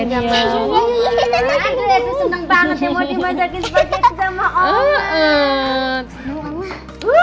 seneng banget ya mau dimajakin spaghetti sama oma